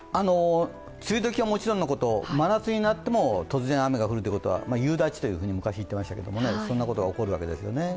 梅雨時はもちろんのこと真夏になっても突然、雨が降るということは、昔、夕立と言っていましたが、そんなことが起こるわけですよね。